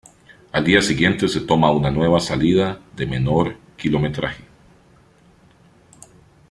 Al día siguiente se toma una nueva salida de menor kilometraje.